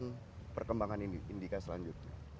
untuk menjadikan perkembangan indica selanjutnya